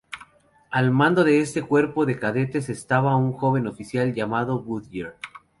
Al mando de este cuerpo de cadetes estaba un joven oficial llamado Goodyear.